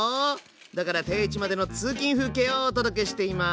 だから定位置までの通勤風景をお届けしています。